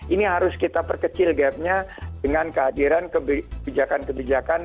ini harus kita perkecil gapnya dengan kehadiran kebijakan kebijakan